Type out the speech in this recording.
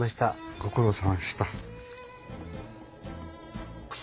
ご苦労さまでした。